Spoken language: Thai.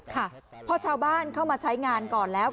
ค่ะพอชาวบ้านเข้ามาใช้งานก่อนแล้ว